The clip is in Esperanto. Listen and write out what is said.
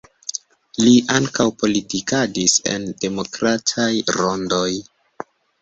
Li ankaŭ politikadis en demokrataj rondoj.